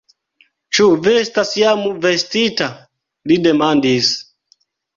Ĉu vi estas jam vestita? li demandis.